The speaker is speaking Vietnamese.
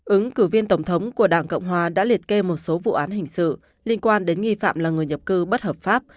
ứng cử viên tổng thống của đảng cộng hòa đã liệt kê một số vụ án hình sự liên quan đến nghi phạm là người nhập cư bất hợp pháp